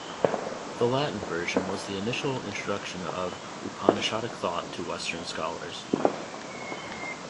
The Latin version was the initial introduction of Upanishadic thought to Western scholars.